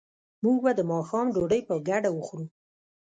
موږ به د ماښام ډوډۍ په ګډه وخورو